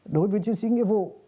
đối với chiến sĩ nghĩa vụ